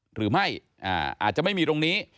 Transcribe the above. หรือไม่อาจจะไม่มีตรงนี้